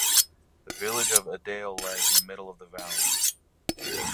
The village of Edale lies in the middle of the valley.